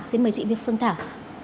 xin mời chị biết phương thảo